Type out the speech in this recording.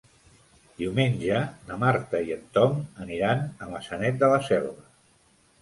Diumenge na Marta i en Tom aniran a Maçanet de la Selva.